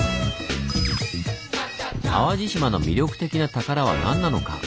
淡路島の魅力的な宝は何なのか？